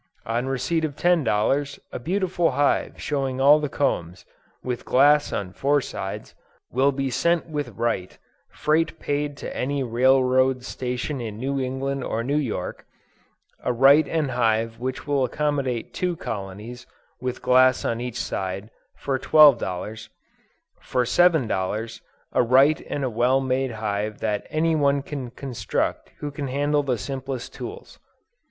On receipt of ten dollars, a beautiful hive showing all the combs, (with glass on four sides,) will be sent with right, freight paid to any railroad station in New England or New York: a right and hive which will accommodate two colonies, with glass on each side, for twelve dollars; for seven dollars, a right and a well made hive that any one can construct who can handle the simplest tools.